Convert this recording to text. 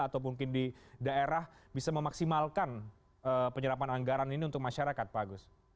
atau mungkin di daerah bisa memaksimalkan penyerapan anggaran ini untuk masyarakat pak agus